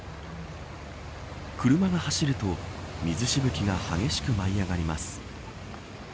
車が走ると水しぶきが激しく舞い上がります。